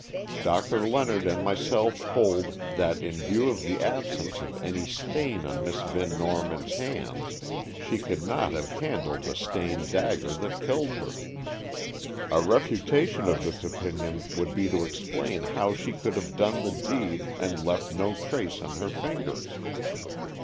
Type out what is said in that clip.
Doctor Leonard and myself hold, that, in view of the absence of any stain on Miss Van Norman's hands, she could not have handled the stained dagger that killed her. A refutation of this opinion would be to explain how she could have done the deed and left no trace on her fingers.